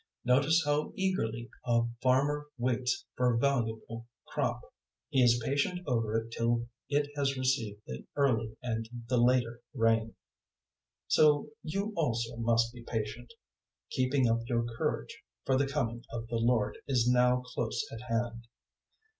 Notice how eagerly a farmer waits for a valuable crop! He is patient over it till it has received the early and the later rain. 005:008 So you also must be patient: keeping up your courage; for the Coming of the Lord is now close at hand.